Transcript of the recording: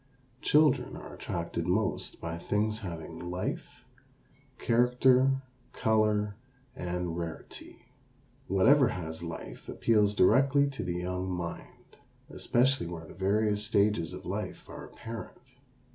Children are attracted most by things having life, character, color, and rarity. Whatever has life appeals directly to the young mind, especially where the various stages of life are apparent.